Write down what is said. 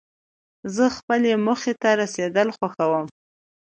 زه خپلې موخي ته رسېدل خوښوم.